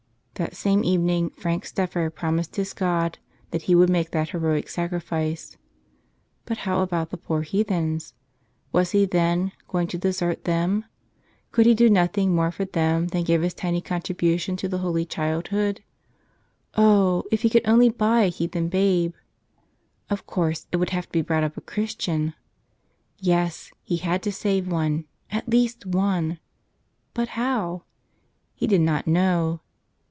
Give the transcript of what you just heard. That same evening Frank Steffer promised his God that he would make that heroic sacrifice. But how about the poor heathens? Was he, then, going to desert them? Could he do nothing more for them than give his tiny contribution to the Holy Childhood? Oh, if he could only buy a heathen babe ! Of course, it would have to be brought up a Christian. Yes; he had to save one, at least one! But how? He did not know.